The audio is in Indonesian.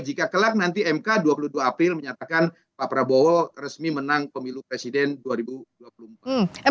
jika kelak nanti mk dua puluh dua april menyatakan pak prabowo resmi menang pemilu presiden dua ribu dua puluh empat